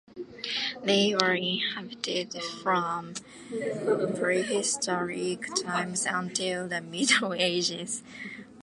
They were inhabited from prehistoric times until the Middle Ages.